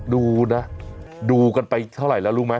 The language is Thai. ดูนะดูกันไปเท่าไหร่แล้วรู้ไหม